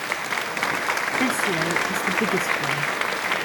Vesio is the biggest one.